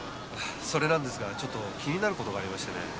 それなんですがちょっと気になる事がありましてね。